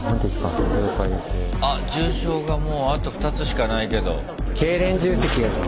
重症がもうあと２つしかないけど。